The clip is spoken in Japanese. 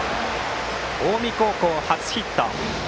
近江高校、初ヒット。